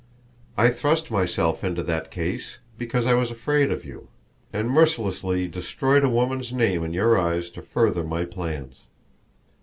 I thrust myself into that case, because I was afraid of you; and mercilessly destroyed a woman's name in your eyes to further my plans.